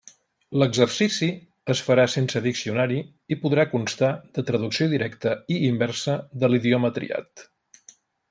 L'exercici es farà sense diccionari i podrà constar de traducció directa i inversa de l'idioma triat.